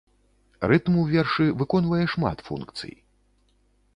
Рытм у вершы выконвае шмат функцый.